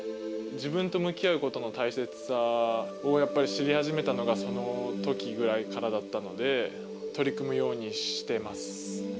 自分と向き合うことの大切さをやっぱり知り始めたのがそのときぐらいからだったので、取り組むようにしてます。